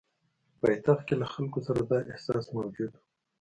پایتخت کې له خلکو سره دا احساس موجود وو.